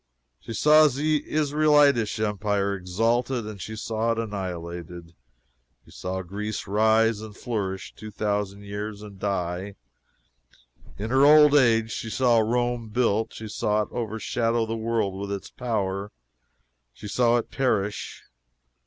She saw the Israelitish empire exalted, and she saw it annihilated. She saw Greece rise, and flourish two thousand years, and die. In her old age she saw Rome built; she saw it overshadow the world with its power; she saw it perish.